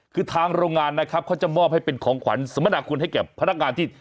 คือทางโรงงานนะครับเขาจะมอบให้เป็นของขวัญสมนาคุณให้แก่พนักงานที่